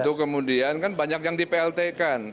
itu kemudian kan banyak yang di plt kan